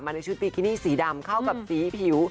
ในชุดบิกินี่สีดำเข้ากับสีผิว